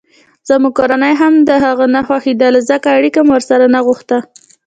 زموږ کورنۍ هم دهغو نه خوښېدله ځکه اړیکه مو ورسره نه غوښته.